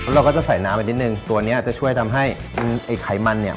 เราก็จะใส่น้ำไปนิดนึงตัวเนี้ยจะช่วยทำให้ไอ้ไขมันเนี่ย